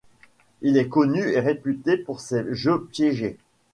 Il est connu et réputé pour ces jeux piégés.